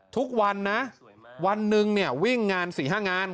ทุกวันนะวันหนึ่งเนี่ยวิ่งงาน๔๕งาน